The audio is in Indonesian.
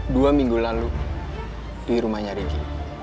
dua minggu lalu di rumahnya ricky